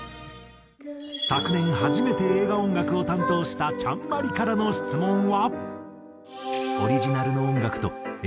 昨年初めて映画音楽を担当したちゃんＭＡＲＩからの質問は。